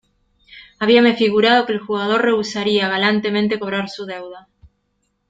habíame figurado que el jugador rehusaría galantemente cobrar su deuda